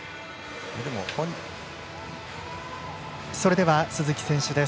それでは鈴木選手です。